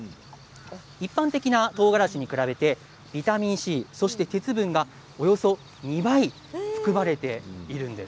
一般的なとうがらしに比べてビタミンＣ、そして鉄分がおよそ２倍含まれているんです。